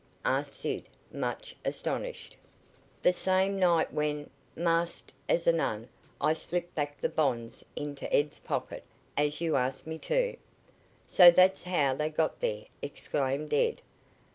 asked Sid, much astonished. "The same night when, masked as a nun, I slipped back the bonds into Ed's pocket as you asked me to." "So that's how they got there!" exclaimed Ed.